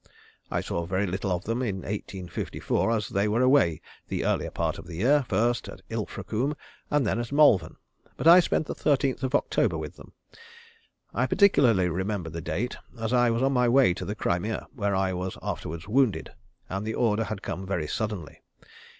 I saw very little of them in 1854, as they were away the earlier part of the year, first at Ilfracombe, and then at Malvern, but I spent the 13th of October with them. I particularly remember the date, as I was on my way to the Crimea, where I was afterwards wounded, and the order had come very suddenly.